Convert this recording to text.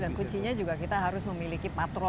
dan kuncinya juga kita harus memiliki patron